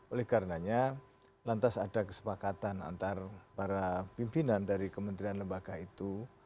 oleh karenanya lantas ada kesepakatan antara para pimpinan dari kementerian lembaga itu